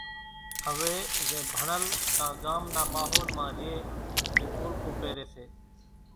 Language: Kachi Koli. هويَ زين ڀڻل ڪان ڳام نا ماحول مان ريئيَ اِي پولڪُون پيريَ سي۔